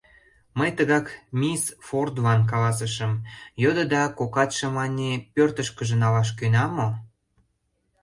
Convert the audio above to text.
Мый тыгак мисс Фордлан каласышым, йодо да, кокатше, мане, пӧртышкыжӧ налаш кӧна мо?